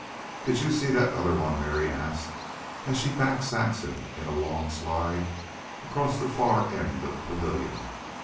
"Did you see that other one?" Mary asked, as she backed Saxon in a long slide across the far end of the pavilion.